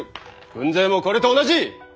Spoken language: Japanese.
軍勢もこれと同じ！